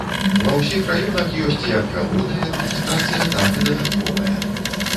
Ва ўсіх раёнах ёсць як галоўная адміністрацыя, так і дадатковая.